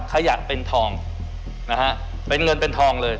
ขยับเป็นทองนะฮะเป็นเงินเป็นทองเลย